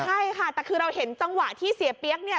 ใช่ค่ะแต่คือเราเห็นจังหวะที่เสียเปี๊ยกเนี่ย